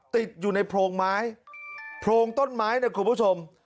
ติดอยู่ในโพรงไม้โพรงต้นไม้เนี่ยคุณผู้ชม